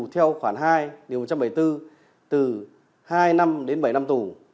theo khoản hai điều một trăm bảy mươi bốn từ hai năm đến bảy năm tù